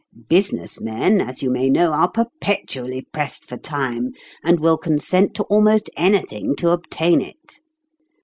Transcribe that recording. Business men, as you may know, are perpetually pressed for time, and will consent to almost anything to obtain it.